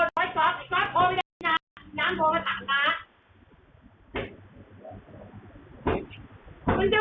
ตัวกหัวก็ไม่ยุ่งกับใครแล้วนะ